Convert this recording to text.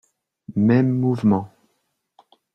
Mêmes mouvements